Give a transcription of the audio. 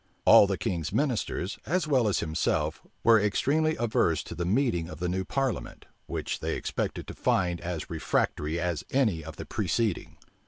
All the king's ministers, as well as himself, were extremely averse to the meeting of the new parliament, which they expected to find as refractory as any of the preceding.